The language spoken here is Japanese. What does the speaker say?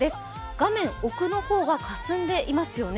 画面奥の方はかすんでいますよね。